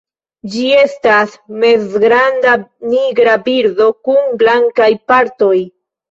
Ĝi estas mezgranda nigra birdo kun blankaj partoj.